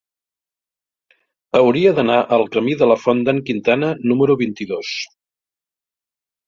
Hauria d'anar al camí de la Font d'en Quintana número vint-i-dos.